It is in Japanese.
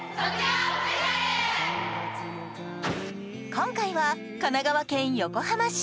今回は神奈川県横浜市。